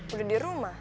udah di rumah